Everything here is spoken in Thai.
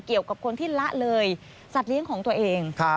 เกี่ยวกับคนที่ละเลยสัตว์เลี้ยงของตัวเอง